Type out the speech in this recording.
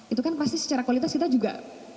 itu kan pasti secara kualitas kita juga